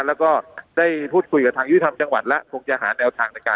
แล้วก็ได้พูดคุยกับทางยุทธรรมจังหวัดแล้วคงจะหาแนวทางในการ